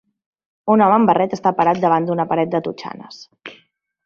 Un home amb barret està parat davant d'una paret de totxanes.